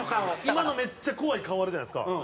今のめっちゃ怖い顔あるじゃないですか。